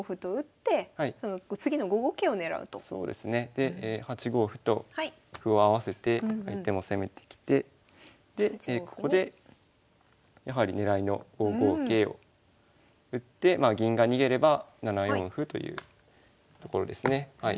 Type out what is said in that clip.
で８五歩と歩を合わせて相手も攻めてきてでここでやはり狙いの５五桂を打ってまあ銀が逃げれば７四歩というところですね。